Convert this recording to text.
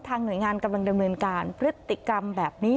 หน่วยงานกำลังดำเนินการพฤติกรรมแบบนี้